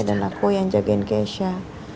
dan aku yang jagain keisha